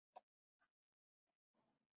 سهار د دعا او ذکر نغمې لري.